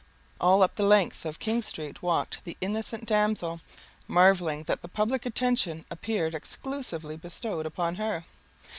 All up the length of King street walked the innocent damsel, marvelling that the public attention appeared exclusively bestowed upon her.